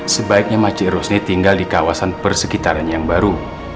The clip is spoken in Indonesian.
sebaiknya makcik ros nih tinggal di kawasan persekitaran yang baru